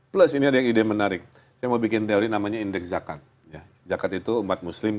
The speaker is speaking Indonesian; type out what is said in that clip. plus ini ada ide yang menarik saya mau bikin teori namanya indeks zakat zakat itu umat muslim kan